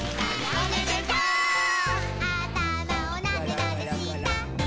「おめでとう」「あたまをなでなでしたり」